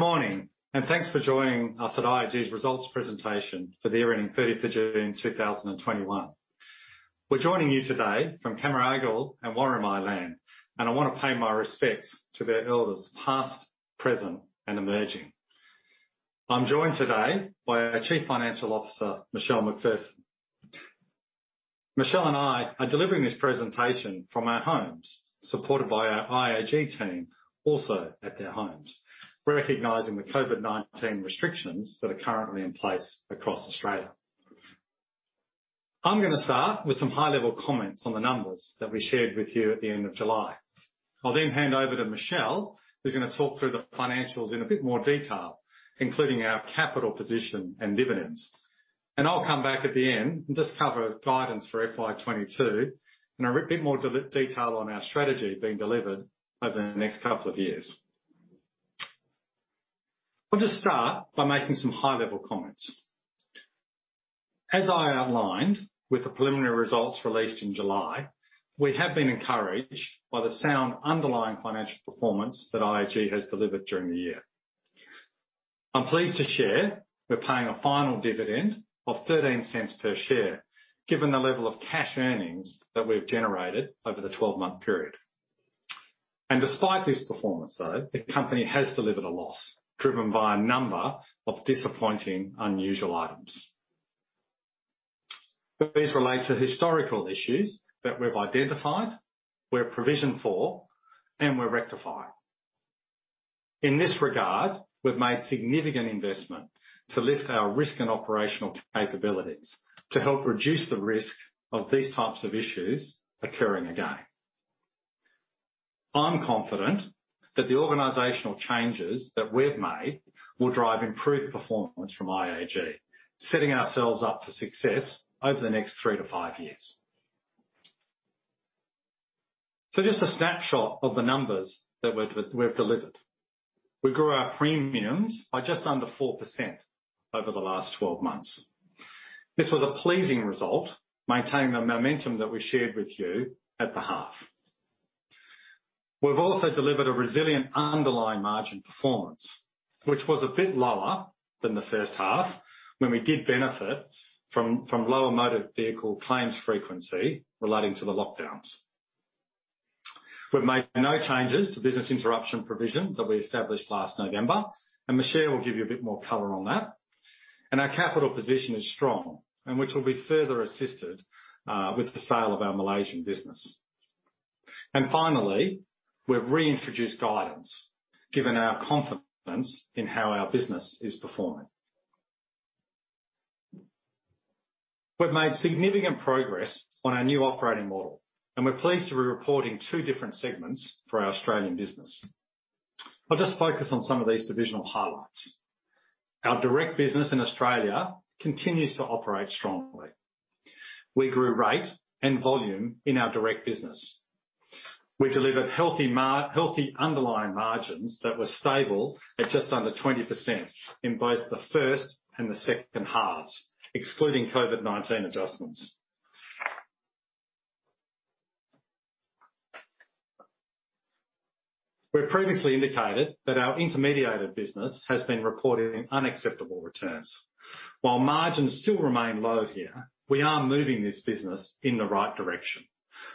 Good morning, thanks for joining us at IAG's results presentation for the year ending 30th of June 2021. We're joining you today from Cammeraygal and Worimi land, I want to pay my respects to their elders, past, present, and emerging. I'm joined today by our Chief Financial Officer, Michelle McPherson. Michelle and I are delivering this presentation from our homes, supported by our IAG team, also at their homes. We're recognizing the COVID-19 restrictions that are currently in place across Australia. I'm going to start with some high-level comments on the numbers that we shared with you at the end of July. I'll hand over to Michelle, who's going to talk through the financials in a bit more detail, including our capital position and dividends. I'll come back at the end and just cover guidance for FY 2022, and a bit more detail on our strategy being delivered over the next two years. I'll just start by making some high-level comments. As I outlined with the preliminary results released in July, we have been encouraged by the sound underlying financial performance that IAG has delivered during the year. I'm pleased to share we're paying a final dividend of 0.13 per share, given the level of cash earnings that we've generated over the 12-month period. Despite this performance, though, the company has delivered a loss driven by a number of disappointing, unusual items. These relate to historical issues that we've identified, we've provisioned for, and we're rectifying. In this regard, we've made significant investment to lift our risk and operational capabilities to help reduce the risk of these types of issues occurring again. I'm confident that the organizational changes that we've made will drive improved performance from IAG, setting ourselves up for success over the next three to five years. Just a snapshot of the numbers that we've delivered. We grew our premiums by just under 4% over the last 12 months. This was a pleasing result, maintaining the momentum that we shared with you at the half. We've also delivered a resilient underlying margin performance, which was a bit lower than the first half, when we did benefit from lower motor vehicle claims frequency relating to the lockdowns. We've made no changes to business interruption provision that we established last November, and Michelle will give you a bit more color on that. Our capital position is strong, and which will be further assisted with the sale of our Malaysian business. Finally, we've reintroduced guidance given our confidence in how our business is performing. We've made significant progress on our new operating model, and we're pleased to be reporting two different segments for our Australian business. I'll just focus on some of these divisional highlights. Our direct business in Australia continues to operate strongly. We grew rate and volume in our direct business. We delivered healthy underlying margins that were stable at just under 20% in both the first and the second halves, excluding COVID-19 adjustments. We previously indicated that our intermediated business has been reporting unacceptable returns. While margins still remain low here, we are moving this business in the right direction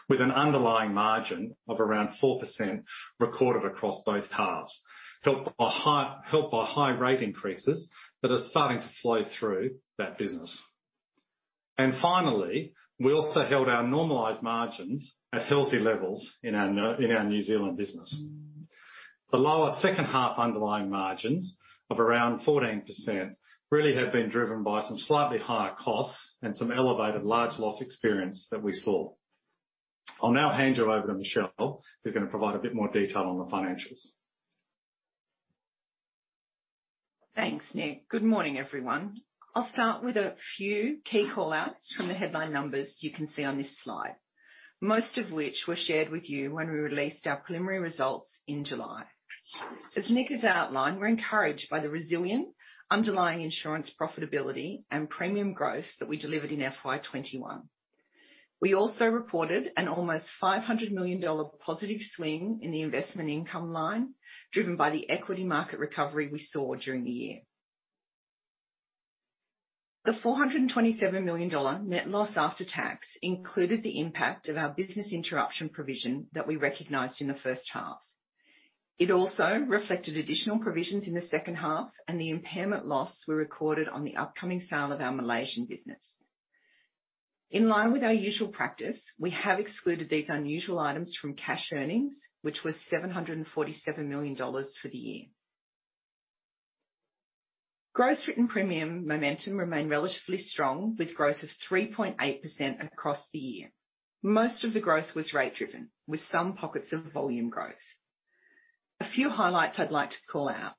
with an underlying margin of around 4% recorded across both halves, helped by high rate increases that are starting to flow through that business. Finally, we also held our normalized margins at healthy levels in our New Zealand business. The lower second half underlying margins of around 14% really have been driven by some slightly higher costs and some elevated large loss experience that we saw. I'll now hand you over to Michelle, who's going to provide a bit more detail on the financials. Thanks, Nick. Good morning, everyone. I'll start with a few key call-outs from the headline numbers you can see on this slide, most of which were shared with you when we released our preliminary results in July. As Nick has outlined, we're encouraged by the resilient underlying insurance profitability and premium growth that we delivered in FY21. We also reported an almost 500 million dollar positive swing in the investment income line, driven by the equity market recovery we saw during the year. The 427 million dollar net loss after tax included the impact of our business interruption provision that we recognized in the first half. It also reflected additional provisions in the second half, and the impairment losses we recorded on the upcoming sale of our Malaysian business. In line with our usual practice, we have excluded these unusual items from cash earnings, which was 747 million dollars for the year. Gross Written Premium momentum remained relatively strong, with growth of 3.8% across the year. Most of the growth was rate-driven, with some pockets of volume growth. A few highlights I'd like to call out.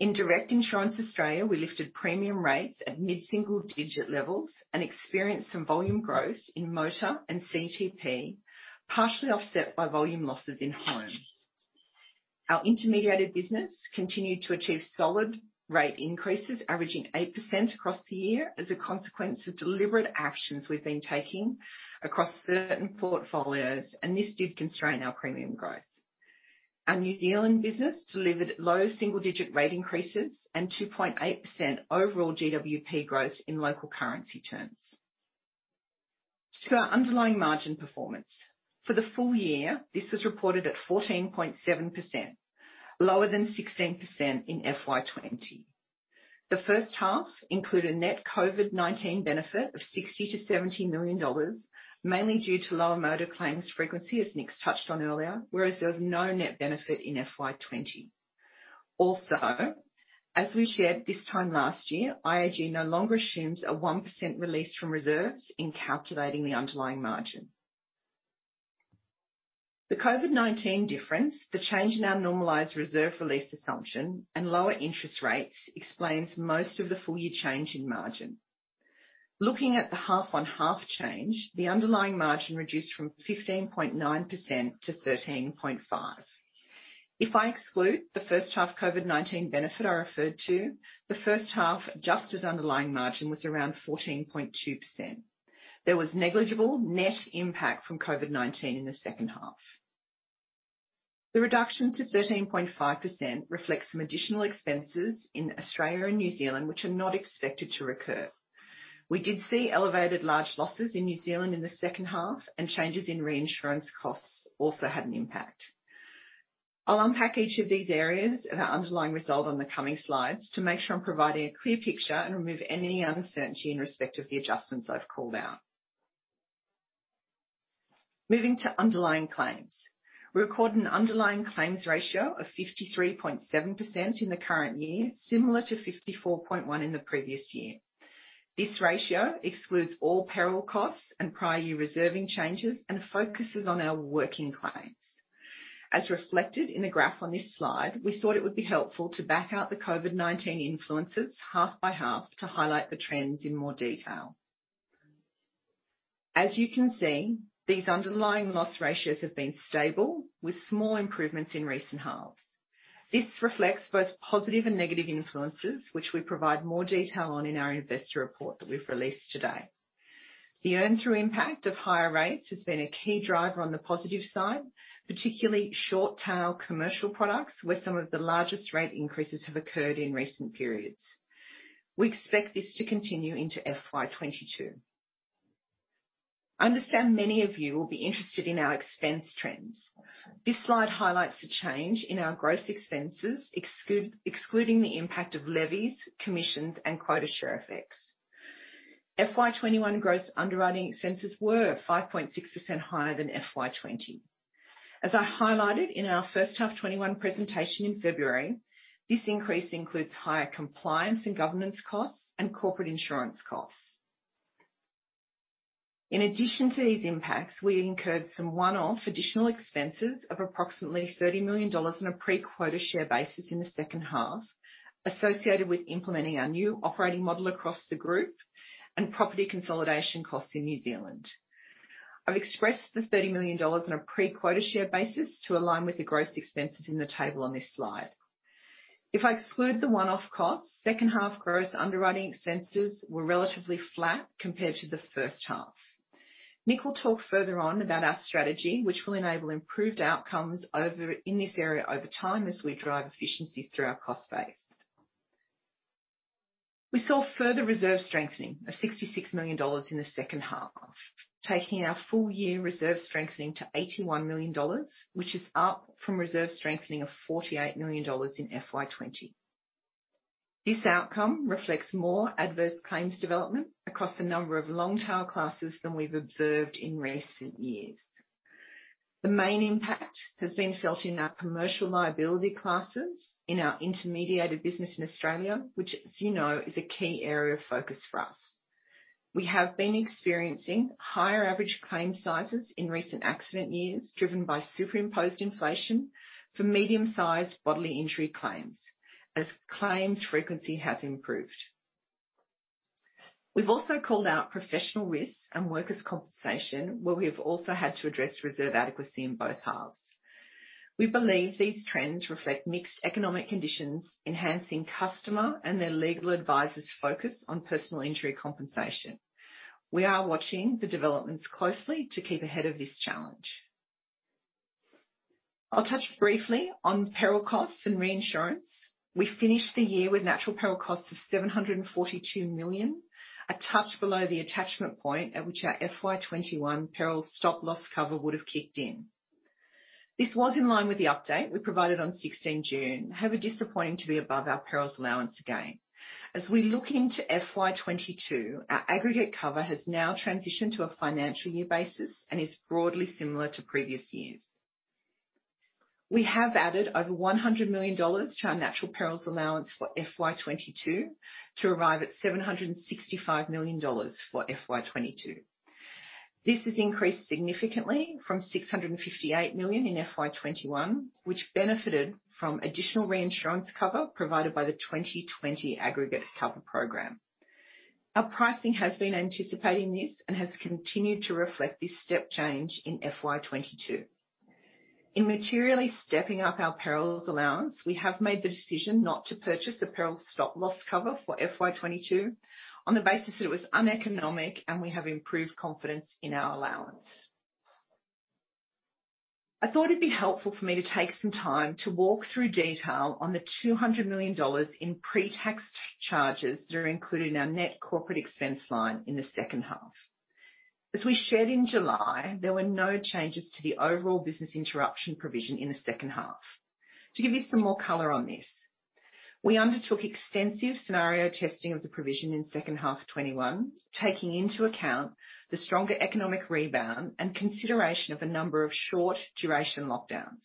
In Direct Insurance Australia, we lifted premium rates at mid-single digit levels and experienced some volume growth in motor and CTP, partially offset by volume losses in home. Our intermediated business continued to achieve solid rate increases averaging 8% across the year as a consequence of deliberate actions we've been taking across certain portfolios, and this did constrain our premium growth. Our New Zealand business delivered low single-digit rate increases and 2.8% overall GWP growth in local currency terms. To our underlying margin performance. For the full year, this was reported at 14.7%, lower than 16% in FY 2020. The first half included net COVID-19 benefit of 60 million-70 million dollars, mainly due to lower motor claims frequency, as Nick's touched on earlier, whereas there was no net benefit in FY 2020. Also, as we shared this time last year, IAG no longer assumes a 1% release from reserves in calculating the underlying margin. The COVID-19 difference, the change in our normalized reserve release assumption, and lower interest rates explains most of the full year change in margin. Looking at the half-on-half change, the underlying margin reduced from 15.9% to 13.5%. If I exclude the first half COVID-19 benefit I referred to, the first half, just as underlying margin, was around 14.2%. There was negligible net impact from COVID-19 in the second half. The reduction to 13.5% reflects some additional expenses in Australia and New Zealand, which are not expected to recur. We did see elevated large losses in New Zealand in the second half, and changes in reinsurance costs also had an impact. I'll unpack each of these areas of our underlying result on the coming slides to make sure I'm providing a clear picture and remove any uncertainty in respect of the adjustments I've called out. Moving to underlying claims. We recorded an underlying claims ratio of 53.7% in the current year, similar to 54.1% in the previous year. This ratio excludes all peril costs and prior year reserving changes and focuses on our working claims. As reflected in the graph on this slide, we thought it would be helpful to back out the COVID-19 influences half by half to highlight the trends in more detail. As you can see, these underlying loss ratios have been stable with small improvements in recent halves. This reflects both positive and negative influences, which we provide more detail on in our investor report that we've released today. The earn through impact of higher rates has been a key driver on the positive side, particularly short-tail commercial products, where some of the largest rate increases have occurred in recent periods. We expect this to continue into FY 2022. I understand many of you will be interested in our expense trends. This slide highlights the change in our gross expenses, excluding the impact of levies, commissions, and quota share effects. FY 2021 gross underwriting expenses were 5.6% higher than FY 2020. As I highlighted in our first half FY 2021 presentation in February, this increase includes higher compliance and governance costs and corporate insurance costs. In addition to these impacts, we incurred some one-off additional expenses of approximately 30 million dollars on a pre-quota share basis in the second half, associated with implementing our new operating model across the group and property consolidation costs in New Zealand. I've expressed the 30 million dollars on a pre-quota share basis to align with the gross expenses in the table on this slide. If I exclude the one-off costs, second half gross underwriting expenses were relatively flat compared to the first half. Nick will talk further on about our strategy, which will enable improved outcomes in this area over time as we drive efficiency through our cost base. We saw further reserve strengthening of 66 million dollars in the second half, taking our full year reserve strengthening to 81 million dollars, which is up from reserve strengthening of 48 million dollars in FY 2020. This outcome reflects more adverse claims development across the number of long-tail classes than we've observed in recent years. The main impact has been felt in our commercial liability classes in our intermediated business in Australia, which, as you know, is a key area of focus for us. We have been experiencing higher average claim sizes in recent accident years, driven by superimposed inflation for medium-sized bodily injury claims as claims frequency has improved. We've also called out professional risks and workers' compensation, where we've also had to address reserve adequacy in both halves. We believe these trends reflect mixed economic conditions, enhancing customer and their legal advisors' focus on personal injury compensation. We are watching the developments closely to keep ahead of this challenge. I'll touch briefly on peril costs and reinsurance. We finished the year with natural peril costs of 742 million, a touch below the attachment point at which our FY21 peril stop-loss cover would have kicked in. This was in line with the update we provided on 16 June, however disappointing to be above our perils allowance again. As we look into FY22, our aggregate cover has now transitioned to a financial year basis and is broadly similar to previous years. We have added over 100 million dollars to our natural perils allowance for FY22 to arrive at 765 million dollars for FY22. This has increased significantly from 658 million in FY21, which benefited from additional reinsurance cover provided by the 2020 aggregate cover program. Our pricing has been anticipating this and has continued to reflect this step change in FY22. In materially stepping up our perils allowance, we have made the decision not to purchase the perils stop-loss cover for FY22 on the basis that it was uneconomic, and we have improved confidence in our allowance. I thought it'd be helpful for me to take some time to walk through detail on the 200 million dollars in pre-tax charges that are included in our net corporate expense line in the second half. As we shared in July, there were no changes to the overall business interruption provision in the second half. To give you some more color on this, we undertook extensive scenario testing of the provision in second half 2021, taking into account the stronger economic rebound and consideration of a number of short duration lockdowns.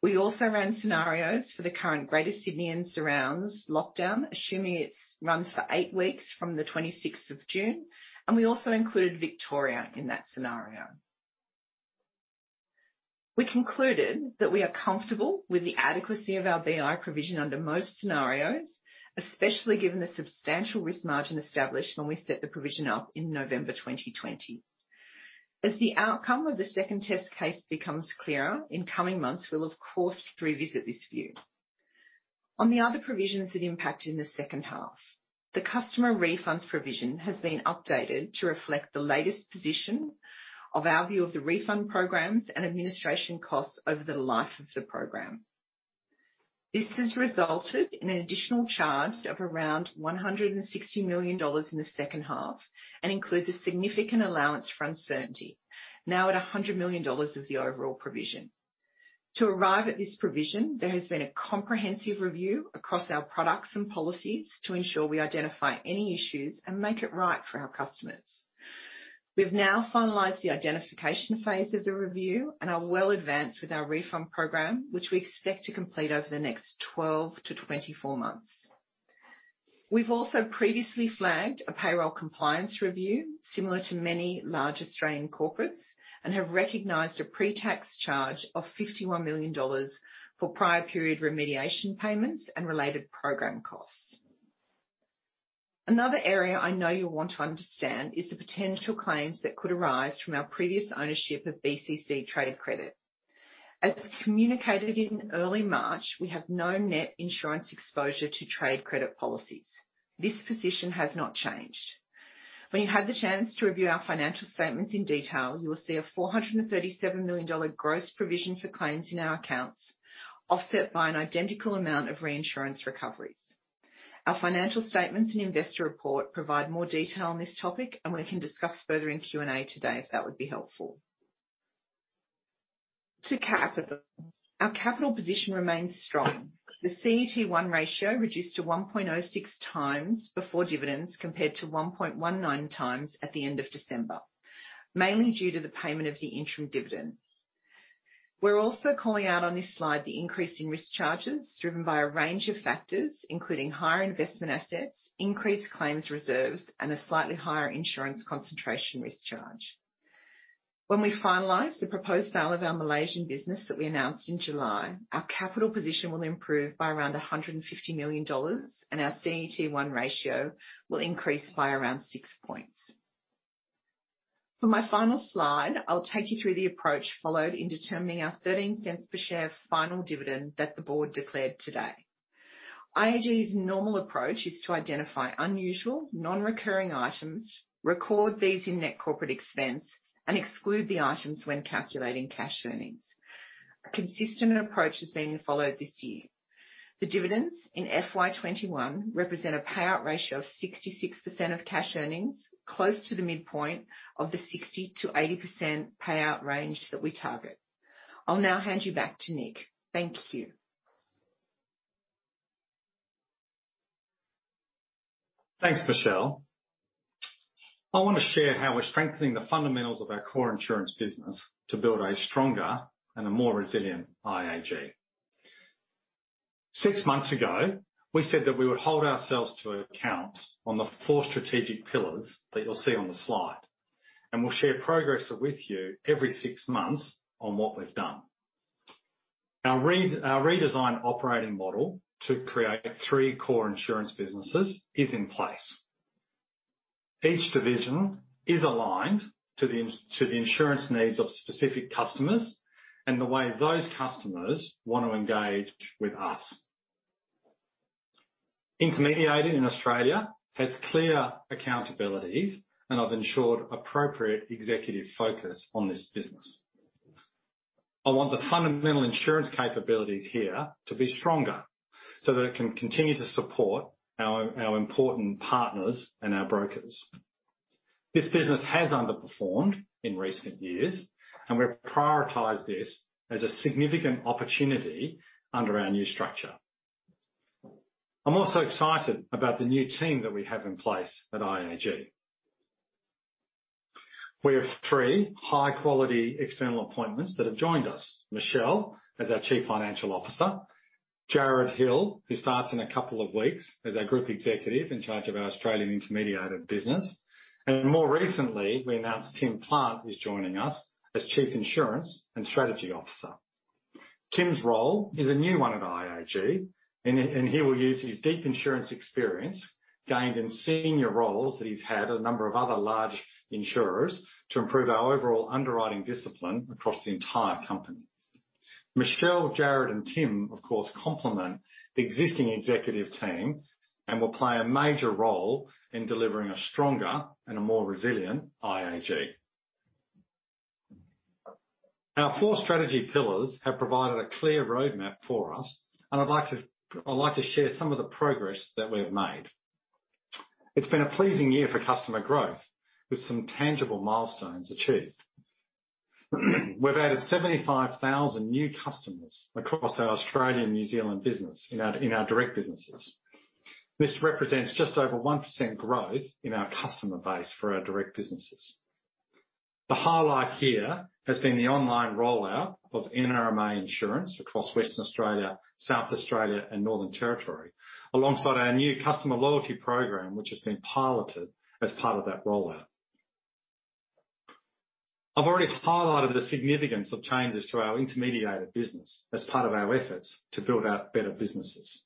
We also ran scenarios for the current greater Sydney and surrounds lockdown, assuming it runs for eight weeks from the 26th of June, and we also included Victoria in that scenario. We concluded that we are comfortable with the adequacy of our BI provision under most scenarios, especially given the substantial risk margin established when we set the provision up in November 2020. As the outcome of the second test case becomes clearer in coming months, we'll of course revisit this view. On the other provisions that impacted in the second half, the customer refunds provision has been updated to reflect the latest position of our view of the refund programs and administration costs over the life of the program. This has resulted in an additional charge of around 160 million dollars in the second half and includes a significant allowance for uncertainty, now at 100 million dollars of the overall provision. To arrive at this provision, there has been a comprehensive review across our products and policies to ensure we identify any issues and make it right for our customers. We've now finalized the identification phase of the review and are well advanced with our refund program, which we expect to complete over the next 12-24 months. We've also previously flagged a payroll compliance review similar to many large Australian corporates and have recognized a pre-tax charge of 51 million dollars for prior period remediation payments and related program costs. Another area I know you'll want to understand is the potential claims that could arise from our previous ownership of BCC Trade Credit. As communicated in early March, we have no net insurance exposure to trade credit policies. This position has not changed. When you have the chance to review our financial statements in detail, you will see an 437 million dollar gross provision for claims in our accounts, offset by an identical amount of reinsurance recoveries. Our financial statements and investor report provide more detail on this topic, and we can discuss further in Q&A today if that would be helpful. To capital. Our capital position remains strong. The CET1 ratio reduced to 1.06x before dividends, compared to 1.19x at the end of December, mainly due to the payment of the interim dividend. We're also calling out on this slide the increase in risk charges driven by a range of factors, including higher investment assets, increased claims reserves, and a slightly higher insurance concentration risk charge. When we finalize the proposed sale of our Malaysian business that we announced in July, our capital position will improve by around 150 million dollars, and our CET1 ratio will increase by around six points. For my final slide, I'll take you through the approach followed in determining our 0.13 per share final dividend that the board declared today. IAG's normal approach is to identify unusual non-recurring items, record these in net corporate expense, and exclude the items when calculating cash earnings. A consistent approach is being followed this year. The dividends in FY21 represent a payout ratio of 66% of cash earnings, close to the midpoint of the 60%-80% payout range that we target. I'll now hand you back to Nick. Thank you. Thanks, Michelle. I want to share how we're strengthening the fundamentals of our core insurance business to build a stronger and a more resilient IAG. Six months ago, we said that we would hold ourselves to account on the four strategic pillars that you'll see on the slide, and we'll share progress with you every six months on what we've done. Our redesigned operating model to create three core insurance businesses is in place. Each division is aligned to the insurance needs of specific customers and the way those customers want to engage with us. Intermediated in Australia has clear accountabilities, and I've ensured appropriate executive focus on this business. I want the fundamental insurance capabilities here to be stronger so that it can continue to support our important partners and our brokers. This business has underperformed in recent years, and we've prioritized this as a significant opportunity under our new structure. I'm also excited about the new team that we have in place at IAG. We have three high-quality external appointments that have joined us, Michelle, as our Chief Financial Officer, Jarrod Hill, who starts in a couple of weeks as our Group Executive in charge of our Australian intermediated business, and more recently, we announced Tim Plant is joining us as Chief Insurance and Strategy Officer. Tim's role is a new one at IAG, and he will use his deep insurance experience gained in senior roles that he's had at a number of other large insurers to improve our overall underwriting discipline across the entire company. Michelle, Jarrod, and Tim, of course, complement the existing executive team and will play a major role in delivering a stronger and a more resilient IAG. Our four strategy pillars have provided a clear roadmap for us, and I'd like to share some of the progress that we have made. It's been a pleasing year for customer growth, with some tangible milestones achieved. We've added 75,000 new customers across our Australian and New Zealand business in our direct businesses. This represents just over 1% growth in our customer base for our direct businesses. The highlight here has been the online rollout of NRMA Insurance across Western Australia, South Australia, and Northern Territory, alongside our new customer loyalty program, which has been piloted as part of that rollout. I've already highlighted the significance of changes to our intermediated business as part of our efforts to build out better businesses.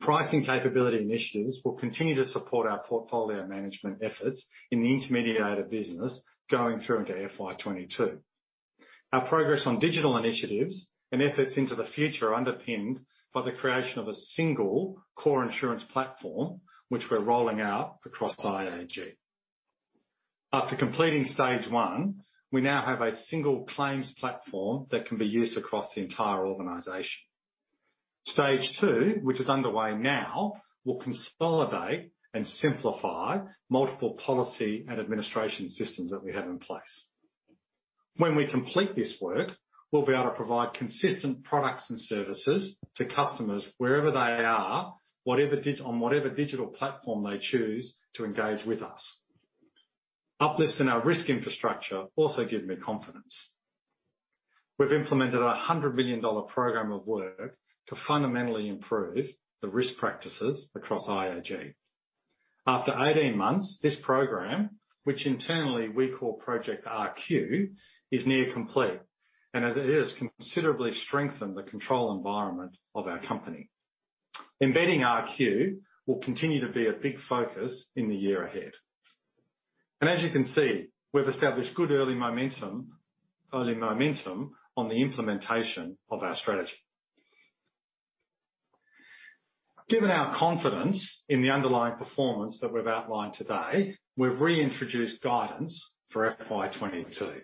Pricing capability initiatives will continue to support our portfolio management efforts in the intermediated business going through into FY 2022. Our progress on digital initiatives and efforts into the future are underpinned by the creation of a single core insurance platform, which we're rolling out across IAG. After completing stage one, we now have a single claims platform that can be used across the entire organization. Stage two, which is underway now, will consolidate and simplify multiple policy and administration systems that we have in place. When we complete this work, we'll be able to provide consistent products and services to customers wherever they are, on whatever digital platform they choose to engage with us. Uplifts in our risk infrastructure also give me confidence. We've implemented an 100 million dollar program of work to fundamentally improve the risk practices across IAG. After 18 months, this program, which internally we call Project RQ, is near complete, and it has considerably strengthened the control environment of our company. Embedding RQ will continue to be a big focus in the year ahead. As you can see, we've established good early momentum on the implementation of our strategy. Given our confidence in the underlying performance that we've outlined today, we've reintroduced guidance for FY 2022.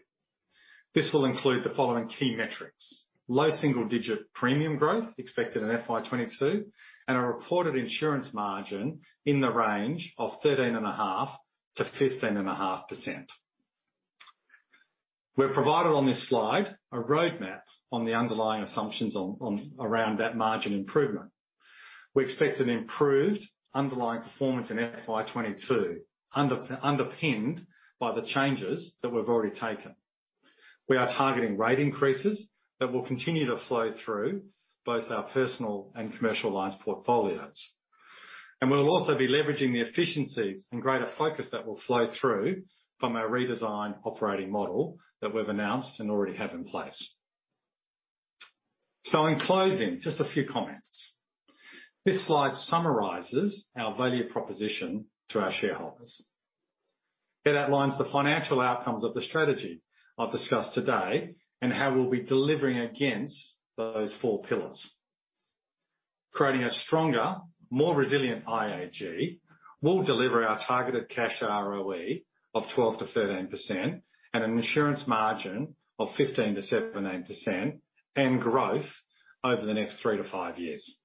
This will include the following key metrics, low single-digit premium growth expected in FY 2022, and a reported insurance margin in the range of 13.5%-15.5%. We've provided on this slide a roadmap on the underlying assumptions around that margin improvement. We expect an improved underlying performance in FY 2022, underpinned by the changes that we've already taken. We are targeting rate increases that will continue to flow through both our personal and commercialized portfolios. We'll also be leveraging the efficiencies and greater focus that will flow through from our redesigned operating model that we've announced and already have in place. In closing, just a few comments. This slide summarizes our value proposition to our shareholders. It outlines the financial outcomes of the strategy I've discussed today, and how we'll be delivering against those four pillars. Creating a stronger, more resilient IAG will deliver our targeted cash ROE of 12%-13%, and an insurance margin of 15%-17%, and growth over the next three to five years.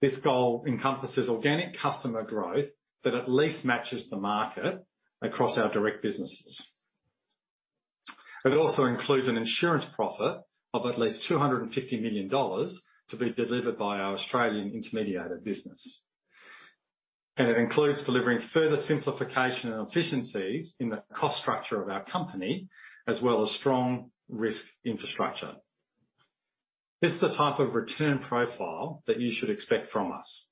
This goal encompasses organic customer growth that at least matches the market across our direct businesses. It also includes an insurance profit of at least 250 million dollars to be delivered by our Australian Intermediated business. It includes delivering further simplification and efficiencies in the cost structure of our company, as well as strong risk infrastructure. This is the type of return profile that you should expect from us.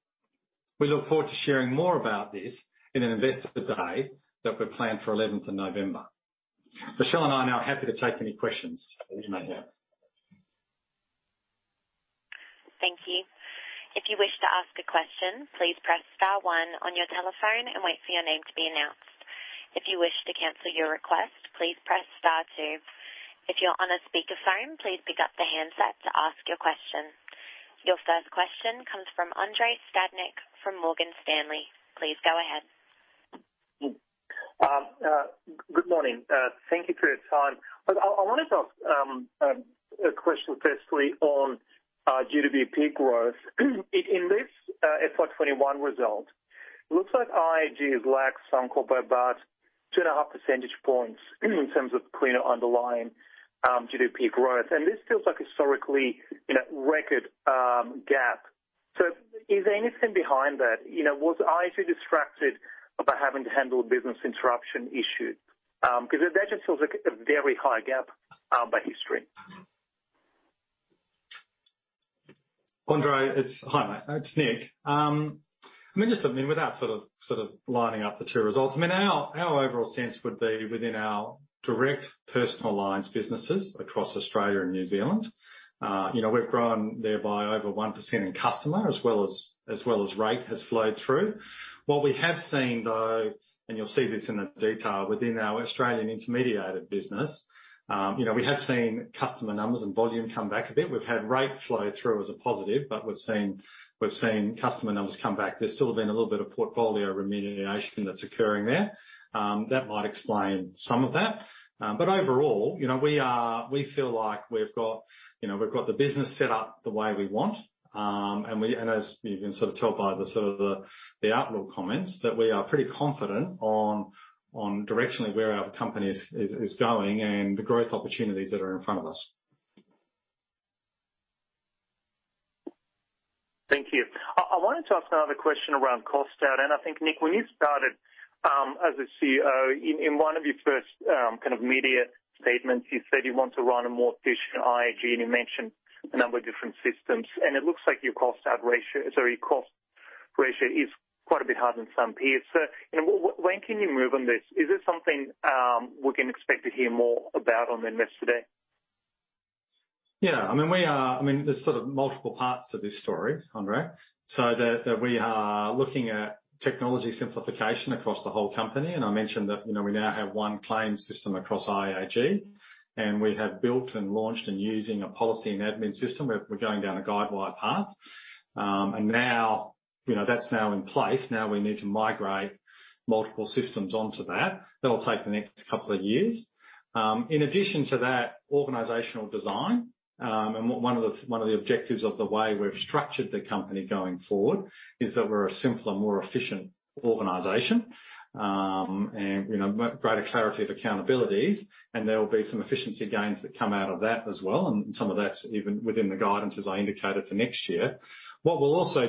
We look forward to sharing more about this in an Investor Day that we've planned for 11th of November. Michelle and I are now happy to take any questions that you may have. Thank you. If you wish to ask a question, please press star one on your telephone and wait for your name it to be announced. If you wish to cancel your request, please press star two. If you want to speak with our team, please pick up the headset to ask your question. Your first question comes from Andrei Stadnik from Morgan Stanley. Please go ahead. Good morning. Thank you for your time. I wanted to ask a question firstly on GWP growth. In this FY21 result, it looks like IAG has lagged Suncorp by about two and a half percentage points in terms of cleaner underlying GWP growth. This feels like historically a record gap. Is there anything behind that? Was IAG distracted by having to handle business interruption issues? That just feels like a very high gap by history. Andrei, hi, it's Nick. I mean, without lining up the two results, our overall sense would be within our Direct Personal Lines businesses across Australia and New Zealand, we've grown thereby over 1% in customer, as well as rate has flowed through. What we have seen though, and you'll see this in the detail within our Australian intermediated business, we have seen customer numbers and volume come back a bit. We've had rate flow through as a positive, we've seen customer numbers come back. There's still been a little bit of portfolio remediation that's occurring there. That might explain some of that. Overall, we feel like we've got the business set up the way we want. As you can sort of tell by the outlook comments, that we are pretty confident on directionally where our company is going and the growth opportunities that are in front of us. Thank you. I wanted to ask another question around cost out. I think, Nick, when you started as a CEO, in one of your first kind of media statements, you said you want to run a more efficient IAG, and you mentioned a number of different systems. It looks like your cost ratio is quite a bit higher than some peers. When can you move on this? Is this something we can expect to hear more about on the investor day? Yeah, there is sort of multiple parts to this story, Andrei Stadnik. We are looking at technology simplification across the whole company, and I mentioned that we now have one claims system across IAG, and we have built and launched and using a policy and admin system. We are going down a Guidewire path. That is now in place. We need to migrate multiple systems onto that. That will take the next couple of years. In addition to that, organizational design, and one of the objectives of the way we have structured the company going forward is that we are a simpler, more efficient organization. Greater clarity of accountabilities, and there will be some efficiency gains that come out of that as well. Some of that is even within the guidance, as I indicated, for next year. What we want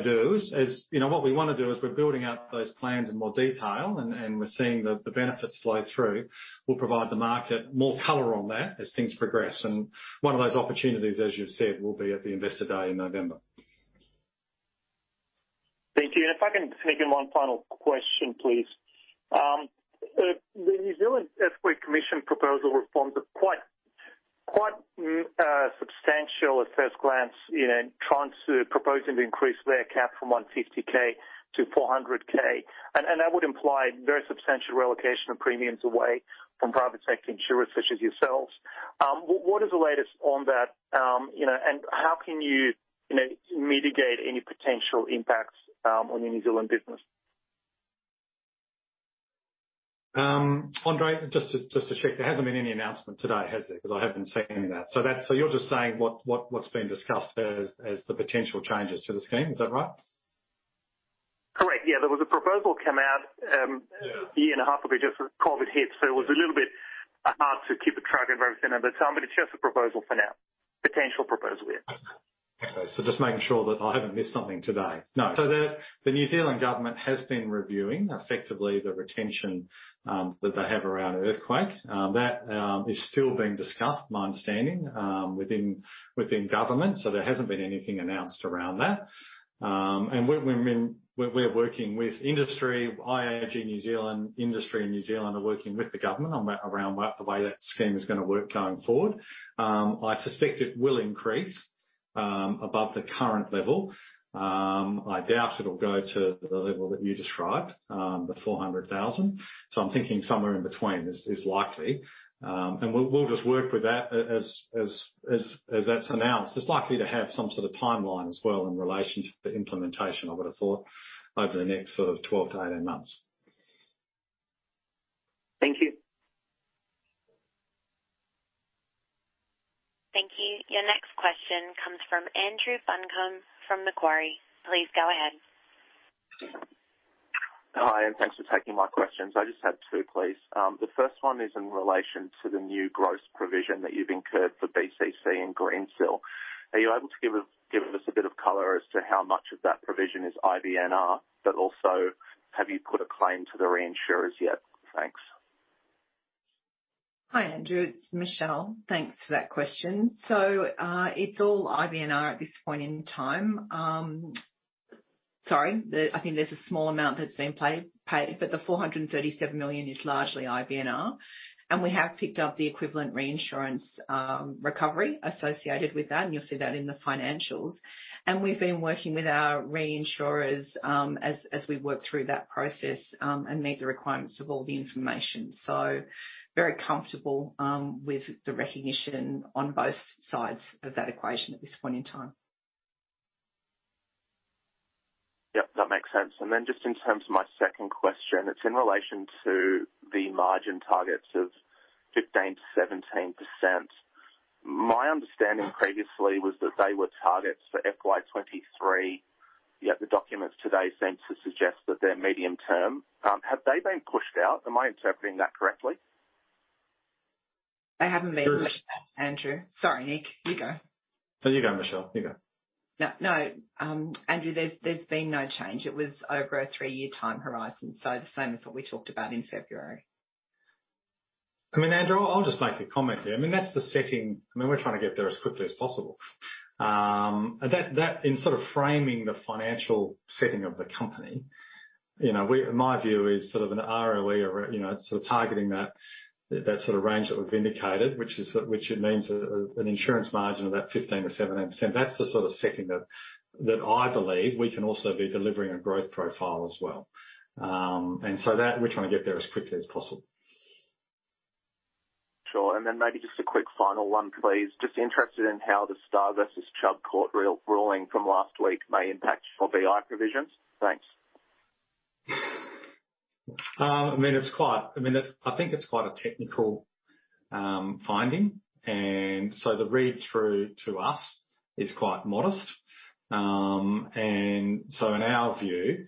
to do is we're building out those plans in more detail, and we're seeing the benefits flow through. We'll provide the market more color on that as things progress. One of those opportunities, as you've said, will be at the Investor Day in November. Thank you. If I can sneak in one final question, please. The New Zealand Earthquake Commission proposal reforms are quite substantial at first glance, trying to propose an increased rare cap from 150,000 to 400,000. That would imply very substantial reallocation of premiums away from private sector insurers such as yourselves. What is the latest on that? How can you mitigate any potential impacts on your New Zealand business? Andrei, just to check, there hasn't been any announcement today, has there? I haven't seen any of that. You're just saying what's been discussed as the potential changes to the scheme. Is that right? Correct. Yeah. There was a proposal come out. Yeah A year and a half ago, just as COVID hit, so it was a little bit hard to keep a track of everything over time. It's just a proposal for now. Potential proposal, yeah. Okay. Just making sure that I haven't missed something today. No. The New Zealand government has been reviewing effectively the retention that they have around earthquake. That is still being discussed, my understanding, within government. There hasn't been anything announced around that. We're working with industry, IAG New Zealand, Industry in New Zealand are working with the government around the way that scheme is going to work going forward. I suspect it will increase above the current level. I doubt it'll go to the level that you described, the 400,000. I'm thinking somewhere in between is likely. We'll just work with that as that's announced. It's likely to have some sort of timeline as well in relation to the implementation, I would've thought, over the next sort of 12-18 months. Thank you. Thank you. Your next question comes from Andrew Buncombe from Macquarie. Please go ahead. Hi, thanks for taking my questions. I just have two, please. The first one is in relation to the new gross provision that you've incurred for BCC and Greensill. Are you able to give us a bit of color as to how much of that provision is IBNR, but also have you put a claim to the reinsurers yet? Thanks. Hi, Andrew. It's Michelle. Thanks for that question. It's all IBNR at this point in time. Sorry, I think there's a small amount that's been paid, but the 437 million is largely IBNR. We have picked up the equivalent reinsurance recovery associated with that, and you'll see that in the financials. We've been working with our reinsurers as we work through that process and meet the requirements of all the information. Very comfortable with the recognition on both sides of that equation at this point in time. Yep, that makes sense. Just in terms of my second question, it's in relation to the margin targets of 15%-17%. My understanding previously was that they were targets for FY 2023, yet the documents today seem to suggest that they're medium term. Have they been pushed out? Am I interpreting that correctly? They haven't been, Andrew. Sorry, Nick, you go. No, you go, Michelle. You go. No. Andrew, there's been no change. It was over a three-year time horizon, the same as what we talked about in February. I mean, Andrew, I'll just make a comment there. We're trying to get there as quickly as possible. In sort of framing the financial setting of the company, my view is sort of an ROE, sort of targeting that sort of range that we've indicated, which means an insurance margin of about 15%-17%. That's the sort of setting that I believe we can also be delivering a growth profile as well. We're trying to get there as quickly as possible. Sure. Then maybe just a quick final one, please. Just interested in how the Star versus Chubb court ruling from last week may impact your BI provisions. Thanks. I think it's quite a technical finding, the read-through to us is quite modest. In our view,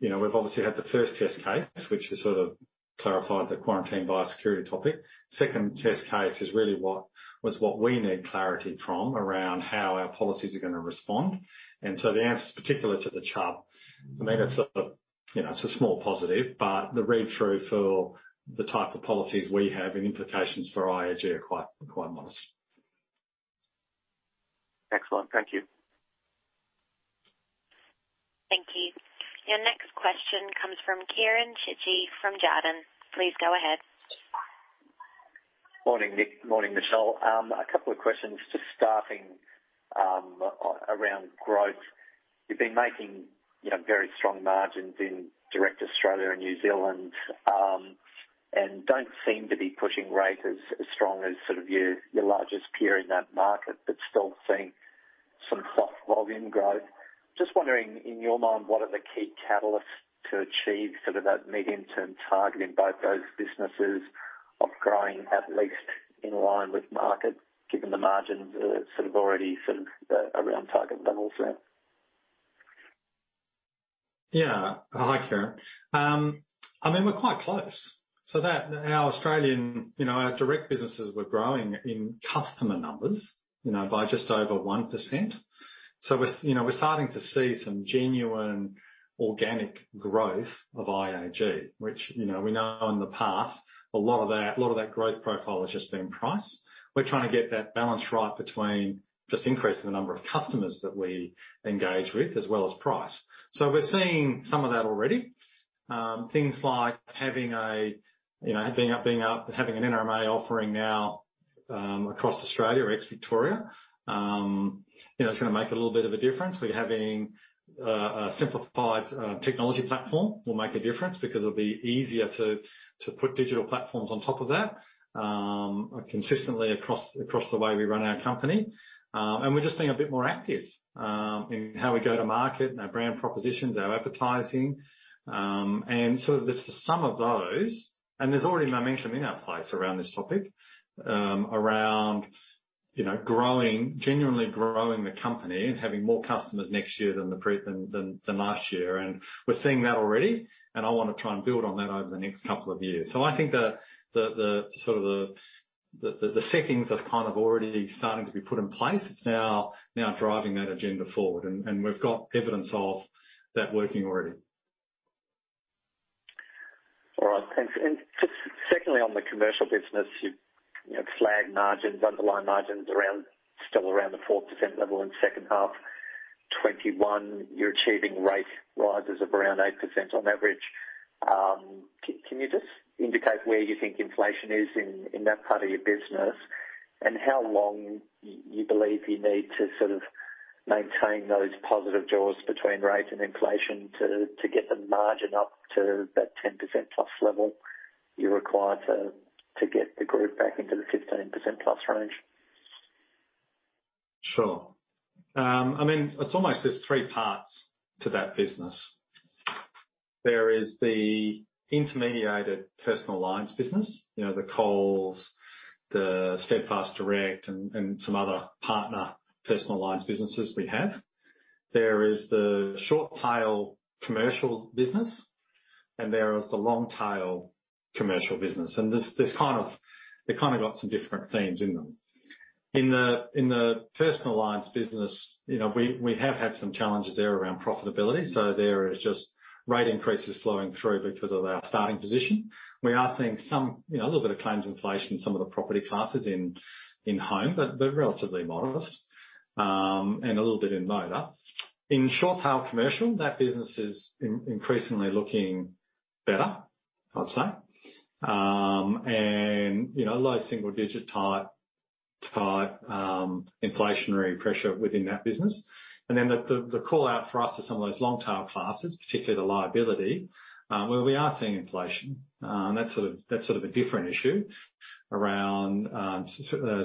we've obviously had the first test case, which has sort of clarified the quarantine biosecurity topic. Second test case was what we need clarity from around how our policies are going to respond. The answer is particular to the Chubb. It's a small positive, the read-through for the type of policies we have and implications for IAG are quite modest. Excellent. Thank you. Thank you. Your next question comes from Kieren Chidgey from Jarden. Please go ahead. Morning, Nick. Morning, Michelle. A couple of questions to starting around growth. You've been making very strong margins in Direct Australia and New Zealand, and don't seem to be pushing rate as strong as sort of your largest peer in that market, but still seeing some volume growth. Just wondering, in your mind, what are the key catalysts to achieve sort of that medium-term target in both those businesses of growing at least in line with market, given the margins are sort of already sort of around target levels there? Hi Kieran. We're quite close. Our Australian direct businesses were growing in customer numbers by just over 1%. We're starting to see some genuine organic growth of IAG, which we know in the past, a lot of that growth profile has just been price. We're trying to get that balance right between just increasing the number of customers that we engage with as well as price. We're seeing some of that already. Things like having an NRMA offering now, across Australia or ex-Victoria. It's going to make a little bit of a difference. We're having a simplified technology platform will make a difference because it'll be easier to put digital platforms on top of that, consistently across the way we run our company. We're just being a bit more active in how we go to market and our brand propositions, our advertising, and sort of the sum of those. There's already momentum in our place around this topic, around genuinely growing the company and having more customers next year than last year. We're seeing that already, and I want to try and build on that over the next couple of years. I think the sort of the settings are kind of already starting to be put in place. It's now driving that agenda forward, and we've got evidence of that working already. All right. Thanks. Just secondly, on the commercial business, you've flagged margins, underlying margins still around the 4% level in second half FY21. You're achieving rate rises of around 8% on average. Can you just indicate where you think inflation is in that part of your business, and how long you believe you need to sort of maintain those positive jaws between rates and inflation to get the margin up to that 10%+ level you require to get the group back into the 15%+ range? Sure. It's almost there's three parts to that business. There is the intermediated personal lines business, the Coles, the Steadfast Direct, and some other partner personal lines businesses we have. There is the short-tail commercial business, and there is the long-tail commercial business. They kind of got some different themes in them. In the personal lines business, we have had some challenges there around profitability. There is just rate increases flowing through because of our starting position. We are seeing a little bit of claims inflation in some of the property classes in home, but relatively modest, and a little bit in motor. In short-tail commercial, that business is increasingly looking better, I'd say. Low single-digit type inflationary pressure within that business. The call-out for us is some of those long-tail classes, particularly the liability, where we are seeing inflation. That's sort of a different issue around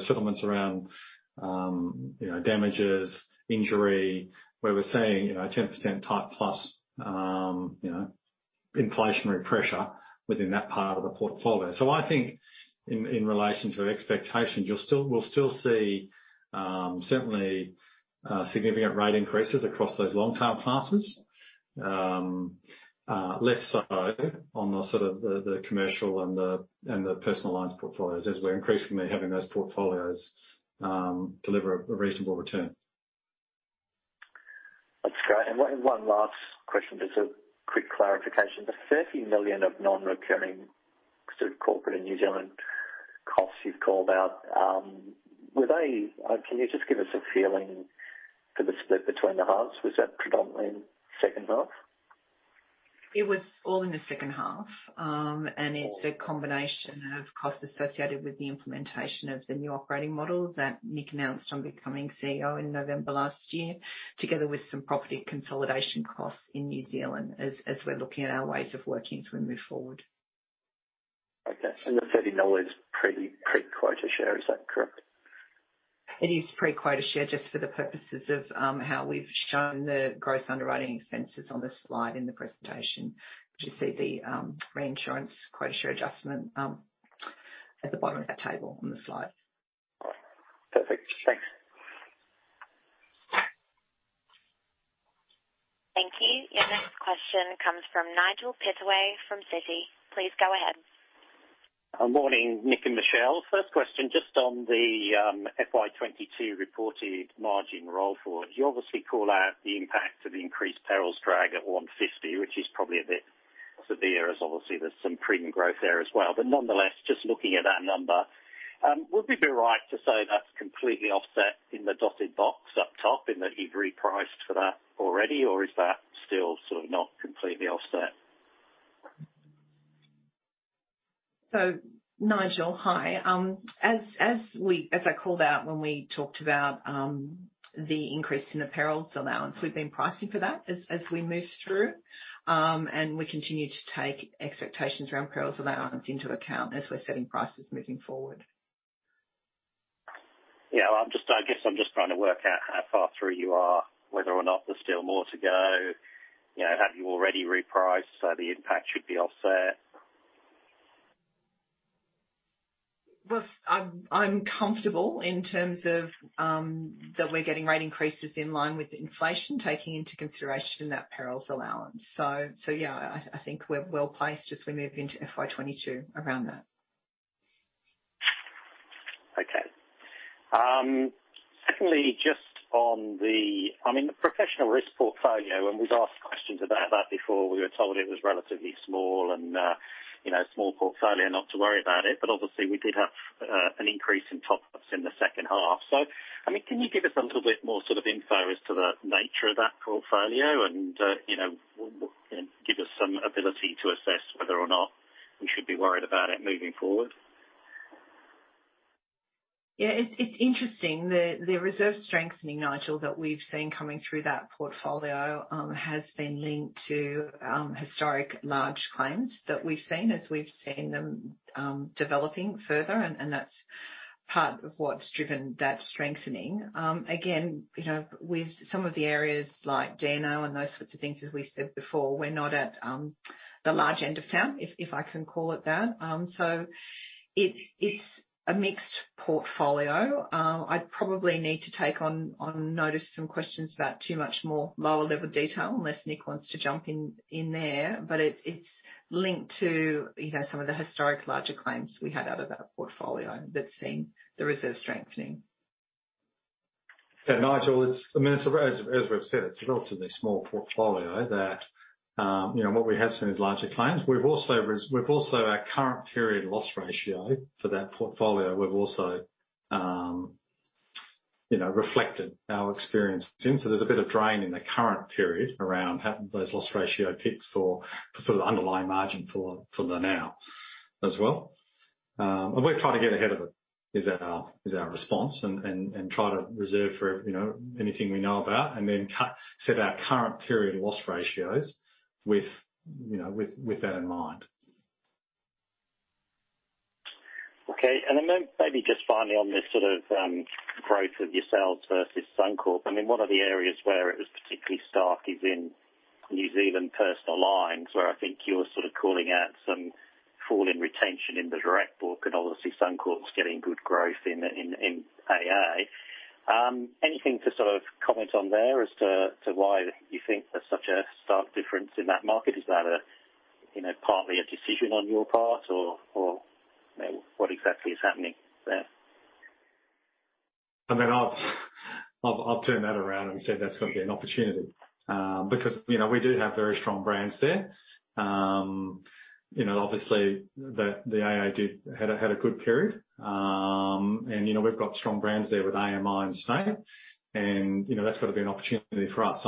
settlements around damages, injury, where we're seeing 10%-type plus inflationary pressure within that part of the portfolio. I think in relation to expectations, we'll still see certainly significant rate increases across those long-tail classes. Less so on the sort of the commercial and the personal lines portfolios as we're increasingly having those portfolios deliver a reasonable return. That's great. One last question, just a quick clarification. The 30 million of non-recurring sort of corporate and New Zealand costs you've called out, can you just give us a feeling for the split between the halves? Was that predominantly in second half? It was all in the second half. It's a combination of costs associated with the implementation of the new operating model that Nick announced on becoming CEO in November last year, together with some property consolidation costs in New Zealand as we're looking at our ways of working as we move forward. Okay. The 30 dollars is pre-quota share, is that correct? It is pre-quota share just for the purposes of how we've shown the gross underwriting expenses on the slide in the presentation. You see the reinsurance quota share adjustment at the bottom of that table on the slide. Perfect. Thanks. Thank you. Your next question comes from Nigel Pittaway from Citi. Please go ahead. Morning, Nick and Michelle. First question, just on the FY 2022 reported margin roll forward. You obviously call out the impact of the increased perils drag at 150, which is probably a bit severe as obviously there's some premium growth there as well. Nonetheless, just looking at that number, would we be right to say that's completely offset in the dotted box up top, in that you've repriced for that already? Is that still sort of not completely offset? Nigel, hi. As I called out when we talked about the increase in the perils allowance, we've been pricing for that as we move through, and we continue to take expectations around perils allowance into account as we're setting prices moving forward. Yeah, I guess I'm just trying to work out how far through you are, whether or not there's still more to go. Have you already repriced, so the impact should be offset? Well, I'm comfortable in terms of that we're getting rate increases in line with inflation, taking into consideration that perils allowance. Yeah, I think we're well-placed as we move into FY 2022 around that. Okay. Secondly, just on the professional risk portfolio, we've asked questions about that before. We were told it was relatively small, a small portfolio, not to worry about it. Obviously, we did have an increase in top ups in the second half. Can you give us a little bit more sort of info as to the nature of that portfolio, and give us some ability to assess whether or not we should be worried about it moving forward? Yeah. It is interesting. The reserve strengthening, Nigel, that we have seen coming through that portfolio has been linked to historic large claims that we have seen as we have seen them developing further, and that is part of what is driven that strengthening. With some of the areas like D&O and those sorts of things, as we said before, we are not at the large end of town, if I can call it that. It is a mixed portfolio. I would probably need to take on notice some questions about too much more lower-level detail, unless Nick wants to jump in there. It is linked to some of the historic larger claims we had out of that portfolio that has seen the reserve strengthening. Yeah, Nigel, as we've said, it's a relatively small portfolio that what we have seen is larger claims. Our current period loss ratio for that portfolio, we've also reflected our experience in. There's a bit of drain in the current period around those loss ratio ticks for sort of underlying margin for the now as well. We're trying to get ahead of it is our response, and try to reserve for anything we know about, and then set our current period loss ratios with that in mind. Okay. Then maybe just finally on this sort of growth of your sales versus Suncorp, one of the areas where it was particularly stark is in New Zealand personal lines, where I think you were sort of calling out some fall in retention in the direct book, and obviously Suncorp's getting good growth in AA. Anything to sort of comment on there as to why you think there's such a stark difference in that market? Is that partly a decision on your part, or what exactly is happening there? I'll turn that around and say that's got to be an opportunity. We do have very strong brands there. Obviously the AA had a good period. We've got strong brands there with AMI and State, and that's got to be an opportunity for us.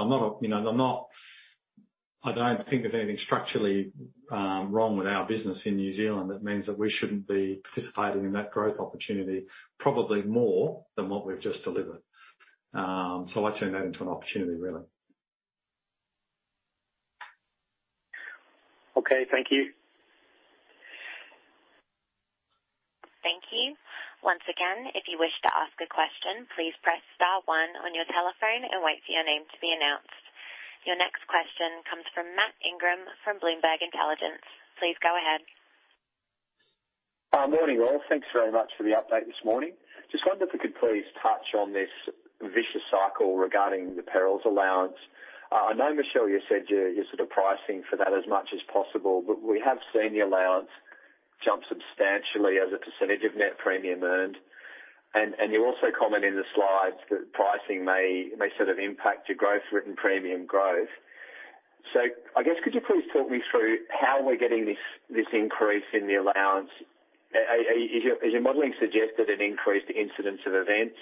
I don't think there's anything structurally wrong with our business in New Zealand that means that we shouldn't be participating in that growth opportunity, probably more than what we've just delivered. I turn that into an opportunity, really. Okay. Thank you. Thank you. Once again, if you wish to ask a question, please press star one on your telephone and wait for your name to be announced. Your next question comes from Matt Ingram from Bloomberg Intelligence. Please go ahead. Morning, all. Thanks very much for the update this morning. Just wonder if we could please touch on this vicious cycle regarding the perils allowance. I know, Michelle, you said you're sort of pricing for that as much as possible. We have seen the allowance jump substantially as a percentage of net premium earned. You also comment in the slides that pricing may sort of impact your gross written premium growth. I guess could you please talk me through how we're getting this increase in the allowance? Is your modeling suggesting an increased incidence of events?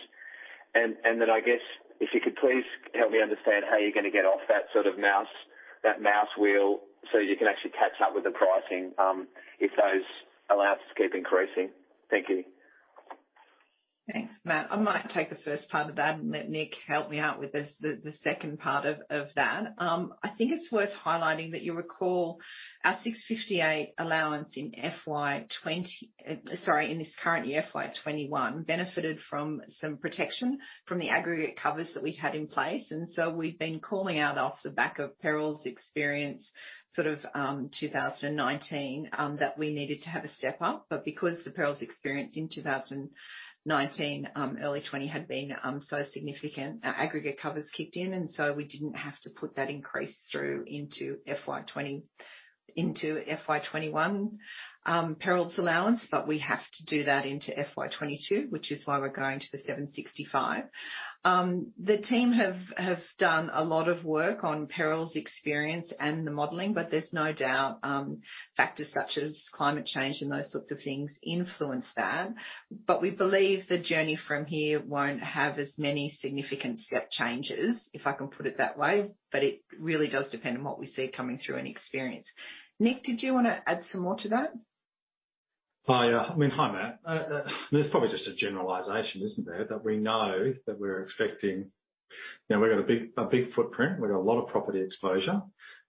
Then I guess if you could please help me understand how you're going to get off that sort of mouse wheel so you can actually catch up with the pricing, if those allowances keep increasing. Thank you. Thanks, Matt. I might take the first part of that and let Nick help me out with the second part of that. I think it's worth highlighting that you recall our 658 allowance in this current year, FY21, benefited from some protection from the aggregate covers that we had in place. We've been calling out off the back of perils experience sort of 2019 that we needed to have a step-up. Because the perils experience in 2019, early 2020 had been so significant, our aggregate covers kicked in, we didn't have to put that increase through into FY21 perils allowance. We have to do that into FY22, which is why we're going to the 765. The team have done a lot of work on perils experience and the modeling. There's no doubt factors such as climate change and those sorts of things influence that. We believe the journey from here won't have as many significant step changes, if I can put it that way. It really does depend on what we see coming through in experience. Nick, did you want to add some more to that? Hi, Matt. There's probably just a generalization, isn't there? We know that we're expecting We've got a big footprint, we've got a lot of property exposure.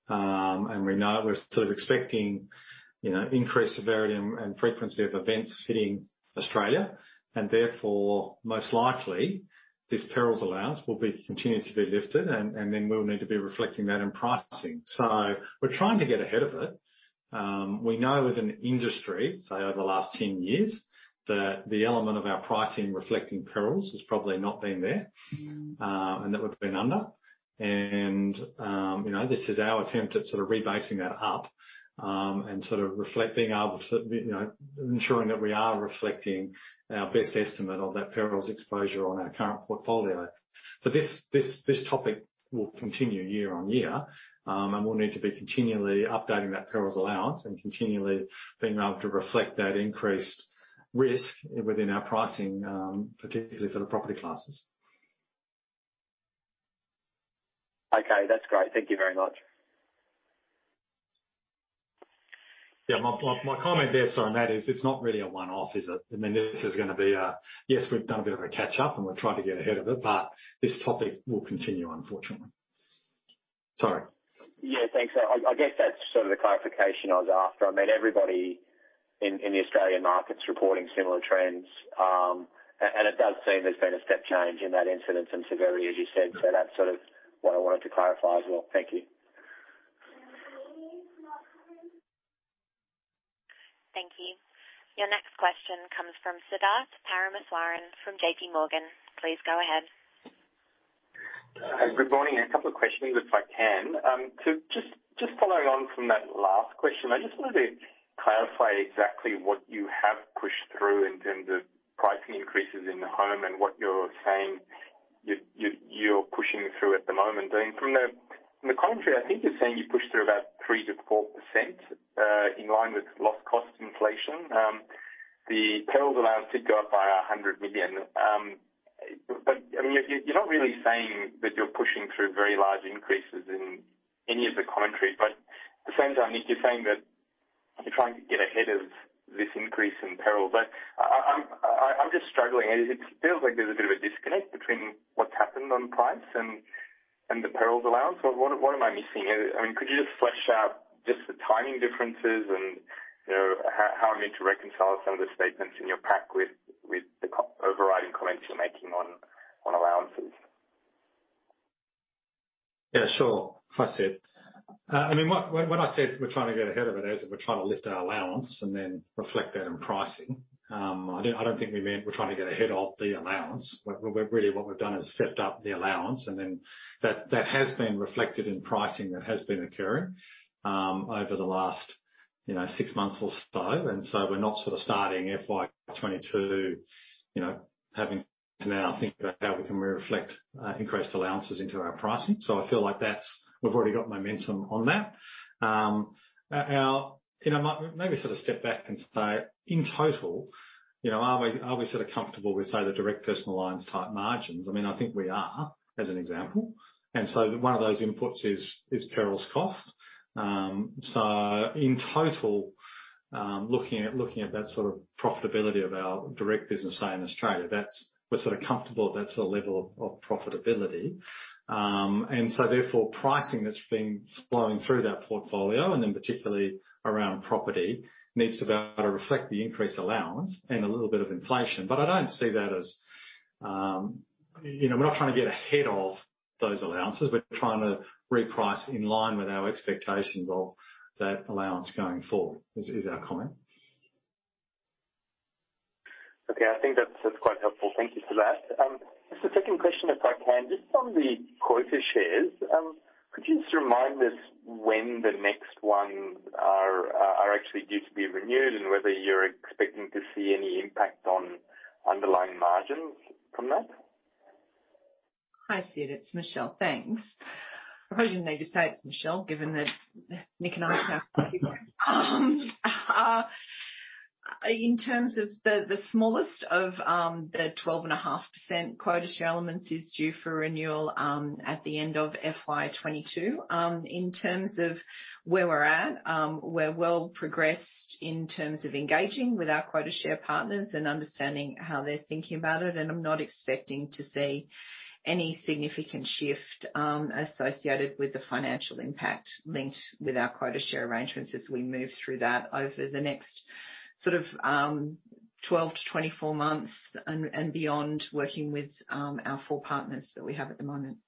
We know we're sort of expecting increased severity and frequency of events hitting Australia, therefore most likely this perils allowance will be continued to be lifted, then we'll need to be reflecting that in pricing. We're trying to get ahead of it. We know as an industry, say over the last 10 years, that the element of our pricing reflecting perils has probably not been there, that we've been under. This is our attempt at sort of rebasing that up, sort of ensuring that we are reflecting our best estimate of that perils exposure on our current portfolio. This topic will continue year-on-year, and we'll need to be continually updating that perils allowance and continually being able to reflect that increased risk within our pricing, particularly for the property classes. Okay. That's great. Thank you very much. My comment there, sorry, Matt, is it's not really a one-off, is it? I mean, this is going to be a Yes, we've done a bit of a catch-up, and we're trying to get ahead of it, but this topic will continue, unfortunately. Sorry. Yeah, thanks. I guess that's sort of the clarification I was after. I mean, everybody in the Australian market's reporting similar trends. It does seem there's been a step change in that incidence and severity, as you said. That's sort of what I wanted to clarify as well. Thank you. Thank you. Your next question comes from Siddharth Parameswaran from JPMorgan. Please go ahead. Good morning. A couple of questions, if I can. Just following on from that last question, I just wanted to clarify exactly what you have pushed through in terms of pricing increases in the home and what you're saying you're pushing through at the moment. From the commentary, I think you're saying you pushed through about 3%-4%, in line with loss cost inflation. The perils allowance did go up by 100 million. You're not really saying that you're pushing through very large increases in any of the commentary. At the same time, Nick, you're saying that you're trying to get ahead of this increase in peril. I'm just struggling. It feels like there's a bit of a disconnect between what's happened on price and the perils allowance. What am I missing? I mean, could you just flesh out just the timing differences, and how I'm meant to reconcile some of the statements in your pack with the overriding comments you're making on allowances? Yeah, sure. Hi, Sid. I mean, when I said we're trying to get ahead of it, as in we're trying to lift our allowance and then reflect that in pricing. I don't think we meant we're trying to get ahead of the allowance. Really, what we've done is stepped up the allowance, and then that has been reflected in pricing that has been occurring over the last six months or so. We're not sort of starting FY22 having to now think about how we can reflect increased allowances into our pricing. I feel like we've already got momentum on that. Maybe sort of step back and say, in total, are we sort of comfortable with, say, the direct personal lines type margins? I mean, I think we are, as an example. One of those inputs is perils cost. In total, looking at that sort of profitability of our direct business, say, in Australia, we're sort of comfortable that's the level of profitability. Therefore, pricing that's been flowing through that portfolio, and then particularly around property, needs to be able to reflect the increased allowance and a little bit of inflation. I don't see that as We're not trying to get ahead of those allowances. We're trying to reprice in line with our expectations of that allowance going forward, is our comment. Okay. I think that's quite helpful. Thank you for that. Just a second question, if I can. Just on the quota shares, could you just remind us when the next ones are actually due to be renewed and whether you're expecting to see any impact on underlying margins from that? Hi, Sid. It's Michelle. Thanks. I probably didn't need to say it's Michelle, given that Nick and I are. In terms of the smallest of the 12.5% quota share elements is due for renewal at the end of FY 2022. In terms of where we're at, we're well progressed in terms of engaging with our quota share partners and understanding how they're thinking about it. I'm not expecting to see any significant shift associated with the financial impact linked with our quota share arrangements as we move through that over the next sort of 12 to 24 months and beyond, working with our four partners that we have at the moment.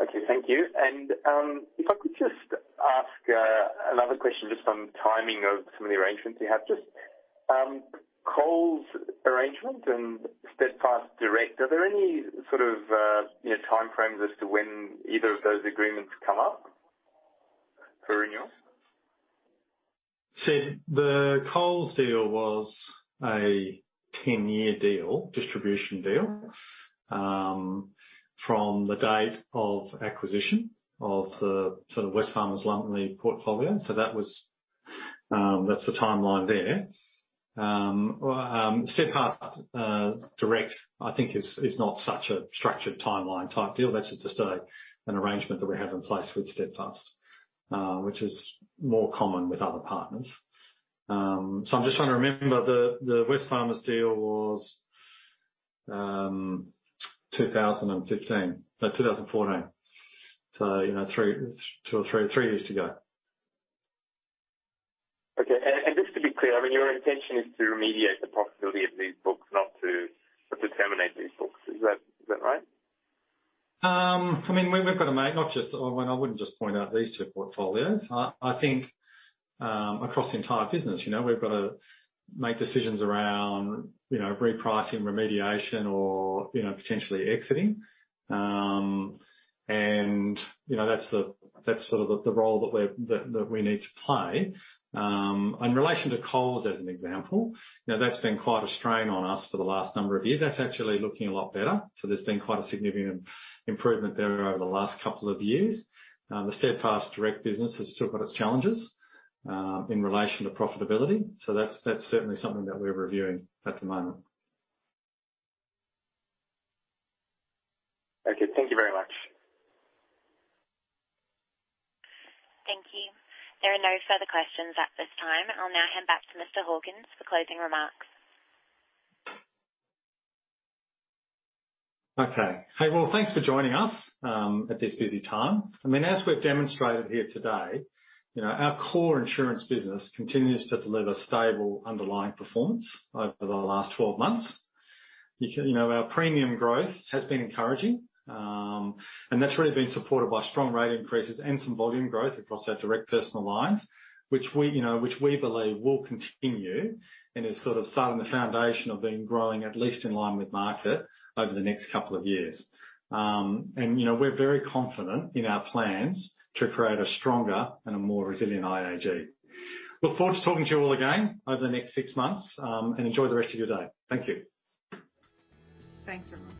Okay. Thank you. If I could just ask another question just on timing of some of the arrangements you have. Just Coles arrangement and Steadfast Direct, are there any sort of timeframes as to when either of those agreements come up for renewal? Sid, the Coles deal was a 10-year deal, distribution deal, from the date of acquisition of the sort of Wesfarmers lump in the portfolio. That's the timeline there. Steadfast Direct, I think is not such a structured timeline type deal. That's just an arrangement that we have in place with Steadfast, which is more common with other partners. I'm just trying to remember the Wesfarmers deal was 2015, no, 2014. two or three years to go. Okay. Just to be clear, I mean, your intention is to remediate the profitability of these books, not to terminate these books. Is that right? I mean, we've got to make not just Well, I wouldn't just point out these two portfolios. I think across the entire business, we've got to make decisions around repricing, remediation, or potentially exiting. That's sort of the role that we need to play. In relation to Coles as an example, that's been quite a strain on us for the last number of years. That's actually looking a lot better. There's been quite a significant improvement there over the last couple of years. The Steadfast Direct business has still got its challenges in relation to profitability. That's certainly something that we're reviewing at the moment. Okay. Thank you very much. Thank you. There are no further questions at this time. I'll now hand back to Mr. Hawkins for closing remarks. Okay. Hey, well, thanks for joining us at this busy time. I mean, as we've demonstrated here today, our core insurance business continues to deliver stable underlying performance over the last 12 months. Our premium growth has been encouraging. That's really been supported by strong rate increases and some volume growth across our direct personal lines, which we believe will continue and is sort of starting the foundation of being growing at least in line with market over the next two years. We're very confident in our plans to create a stronger and a more resilient IAG. Look forward to talking to you all again over the next six months. Enjoy the rest of your day. Thank you. Thanks, everyone.